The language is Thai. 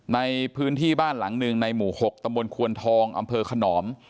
ในพื้นที่บ้านหลังหนึ่งในหมู่๖ตำบลควนทองอำเภอขนอม